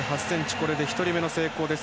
これで１人目の成功です。